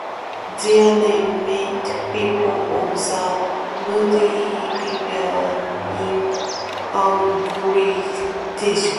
Their name meant "people of the muddy river" in Algonquian.